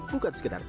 bukan sekedar kata